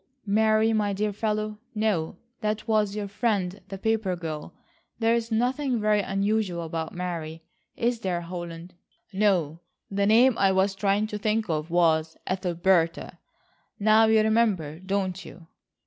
"Mary, my dear fellow, no; that was your friend the paper girl. There is nothing very unusual about Mary, is there, Holland? No, the name I was trying to think of was Ethelberta. Now you remember, don't you?"